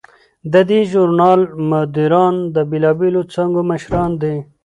د دې ژورنال مدیران د بیلابیلو څانګو مشران دي.